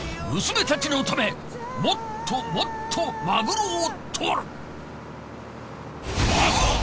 娘たちのためもっともっとマグロを獲る！